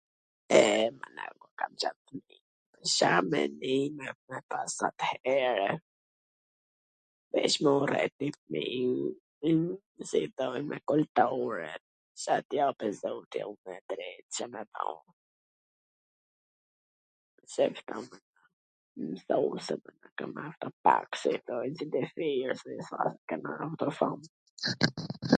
E, mana, ku kam Ca ... Ca mendime me pas atwhere? VeC me u rrejt njw fmij... si i thon me kultur e, sa t japin,,, [???]